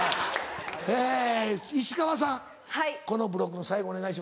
え石川さんこのブロックの最後お願いします。